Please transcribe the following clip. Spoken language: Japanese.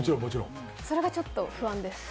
それがちょっと不安です。